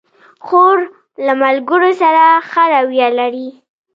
خور له ملګرو سره ښه رویه لري.